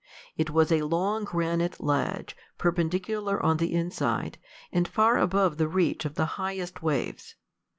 It was a long granite ledge, perpendicular on the inside, and far above the reach of the highest waves.